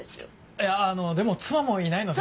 いやでも妻もいないので。